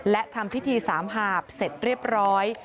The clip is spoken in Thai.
และทำพิธีสามหาบเสร็จเรียบร้อย